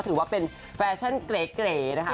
ถือว่าเป็นแฟชั่นเก๋นะคะ